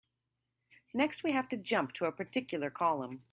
Next, we have to jump to a particular column.